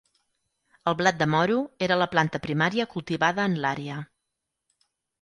El blat de moro era la planta primària cultivada en l'àrea.